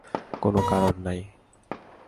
কোন কারণ নেই।